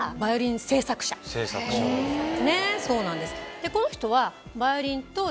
でこの人は。